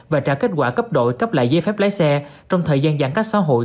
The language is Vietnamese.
và trả kết quả cấp đổi cấp lại giấy phép lái xe trong thời gian giãn cách xã hội